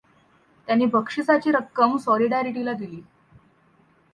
त्याने बक्षिसाची रक्कम सॉलिडारिटीला दिली.